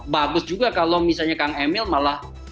bagus juga kalau misalnya kang emil malah